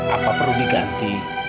apa perlu diganti